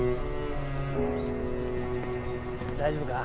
大丈夫か？